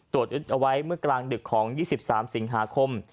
เอาไว้เมื่อกลางดึกของ๒๓สิงหาคม